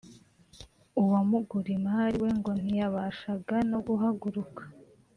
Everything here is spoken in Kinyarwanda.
uwa Mugurimari we ngo ntiyabashaga no guhaguruka